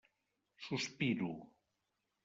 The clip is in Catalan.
Sospiro.